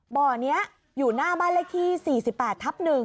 บ่อนี้อยู่หน้าบ้านเลขที่๔๘ทับ๑